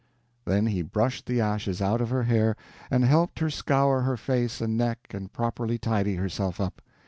Then he brushed the ashes out of her hair, and helped her scour her face and neck and properly tidy herself up.